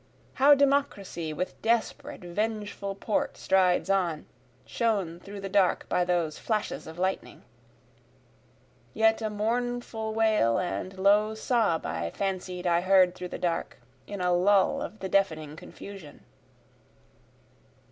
How Democracy with desperate vengeful port strides on, shown through the dark by those flashes of lightning! (Yet a mournful wall and low sob I fancied I heard through the dark, In a lull of the deafening confusion.)